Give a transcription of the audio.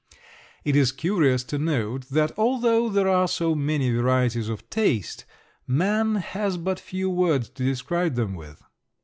It is curious to note that, although there are so many varieties of taste, man has but few words to describe them with.